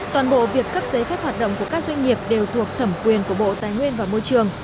toàn bộ việc cấp giấy phép hoạt động của các doanh nghiệp đều thuộc thẩm quyền của bộ tài nguyên và môi trường